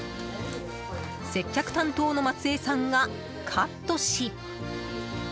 接客担当の松江さんがカットし。